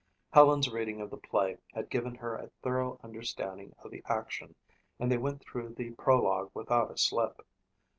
Helen's reading of the play had given her a thorough understanding of the action and they went through the prologue without a slip.